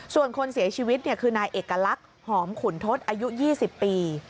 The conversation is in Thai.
ส่วนคนเสียชีวิตคือนายเอกลักษณ์หอมขุนทศอายุ๒๐ปี